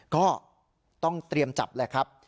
ก็ต้องเตรียมจับแหละครับ